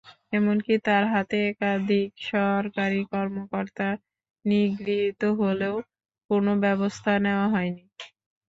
এমনকি তাঁর হাতে একাধিক সরকারি কর্মকর্তা নিগৃহীত হলেও কোনো ব্যবস্থা নেওয়া হয়নি।